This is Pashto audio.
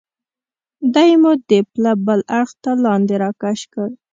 دی مو د پله بل اړخ ته لاندې را کش کړ.